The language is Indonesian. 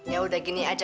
ya udah gini aja